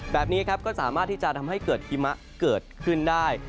แบบนี้ครับก็สามารถที่จะทำให้เกิดหิมะเกิดขึ้นได้